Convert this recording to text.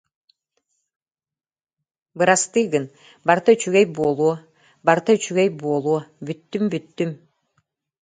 Бырастыы гын, барыта үчүгэй буолуо, барыта үчүгэй буолуо, бүттүм-бүттүм